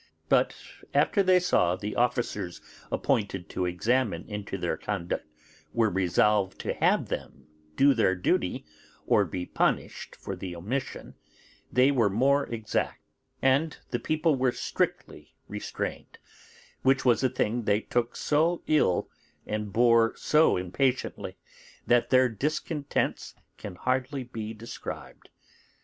But after they saw the officers appointed to examine into their conduct were resolved to have them do their duty or be punished for the omission, they were more exact, and the people were strictly restrained; which was a thing they took so ill and bore so impatiently that their discontents can hardly be described.